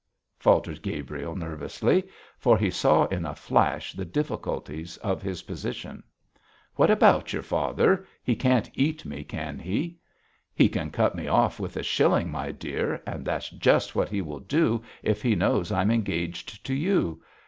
faltered Gabriel, nervously, for he saw in a flash the difficulties of his position. 'What about your father? He can't eat me, can he?' 'He can cut me off with a shilling, my dear. And that's just what he will do if he knows I'm engaged to you.